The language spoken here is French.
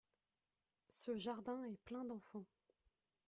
Ce jardin est plein d'enfants.